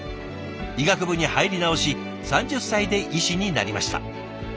医学部に入り直し３０歳で医師になりました。